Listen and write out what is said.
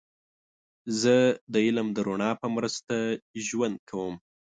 زه د علم د رڼا په مرسته ژوند کوم.